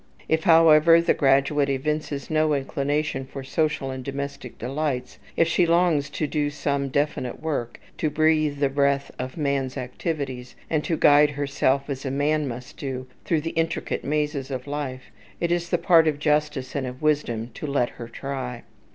If, however, the graduate evinces no inclination for social and domestic delights, if she longs to do some definite work, to breathe the breath of man's activities, and to guide herself, as a man must do, through the intricate mazes of life, it is the part of justice and of wisdom to let her try.